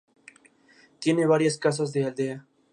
Tiene varias casas de aldea